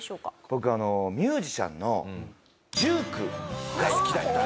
僕ミュージシャンの１９が好きだったんですよ。